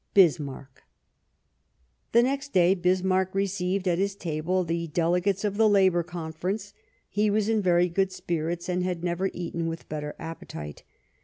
— Bismarck." The next day Bismarck received at his table the Delegates of the Labour Conference ; he was in very good spirits, and had never eaten with better appetite.